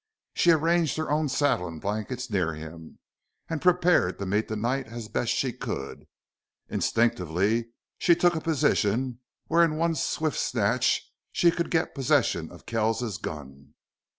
She arranged her own saddle and blankets near him, and prepared to meet the night as best she could. Instinctively she took a position where in one swift snatch she could get possession of Kells's gun.